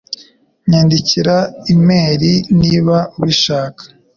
Nyandikira imeri niba ubishaka.